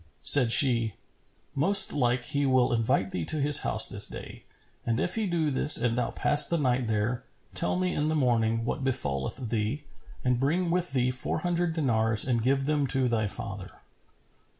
Said she, "Most like he will invite thee to his house this day; and if he do this and thou pass the night there, tell me in the morning what befalleth thee and bring with thee four hundred dinars and give them to thy father."